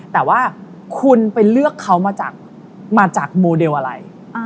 แต่ว่าคุณไปเลือกเขามาจากโมเดลอะไร